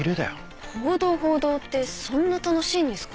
報道報道ってそんな楽しいんですかね。